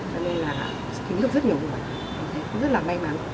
cho nên là cứu được rất nhiều người rất là may mắn